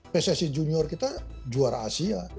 pssi junior kita juara asia